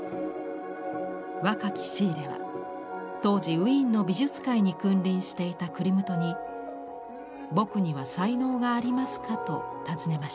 若きシーレは当時ウィーンの美術界に君臨していたクリムトに「僕には才能がありますか」と尋ねました。